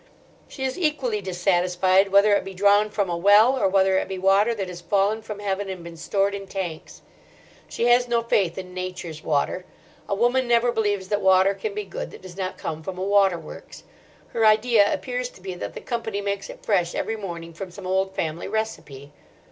She is equally dissatisfied whether it be drawn from a well, or whether it be water that has fallen from heaven and been stored in tanks. She has no faith in Nature's water. A woman never believes that water can be good that does not come from a water works. Her idea appears to be that the Company makes it fresh every morning from some old family recipe.